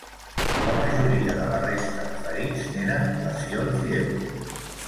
La majoria de la resta de ferits tenen lesions lleus.